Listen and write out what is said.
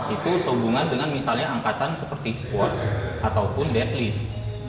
itu sehubungan dengan misalnya angkatan seperti sports ataupun deadlift